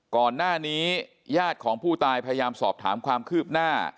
ก่อนหน้านี้ญาติของผู้ตายพยายามสอบถามความคืบหน้า